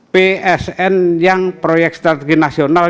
psn yang proyek strategi nasional